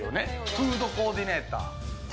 フードコーディネーター。